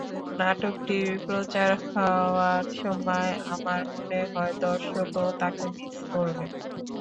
নাটকটি প্রচার হওয়ার সময় আমার মনে হয়, দর্শকও তাকে মিস করবেন।